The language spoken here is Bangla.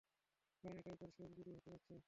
কারণ এটাই তোর শেষ বিড়ি হতে যাচ্ছে।